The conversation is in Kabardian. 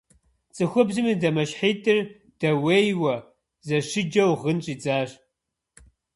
Цӏыхубзым и дамэщхьитӀыр дэуейуэ, зэщыджэу гъын щӀидзащ.